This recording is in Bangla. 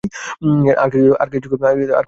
আর কিছু দরকার?